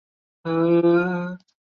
奥托二世。